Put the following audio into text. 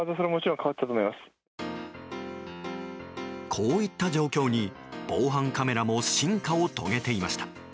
こういった状況に防犯カメラも進化を遂げていました。